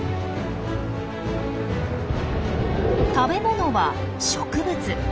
食べ物は植物。